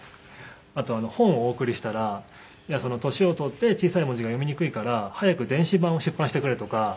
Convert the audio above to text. あと本をお送りしたら年を取って小さい文字が読みにくいから早く電子版を出版してくれとか。